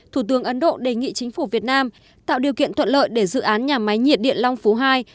thủ tướng ấn độ đề nghị chính phủ việt nam tạo điều kiện thuận lợi để dự án nhà máy nhiệt điện long phú hai